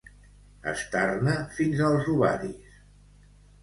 Estar-ne fins als ovaris.